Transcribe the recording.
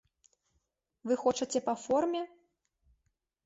Вы хочаце па форме?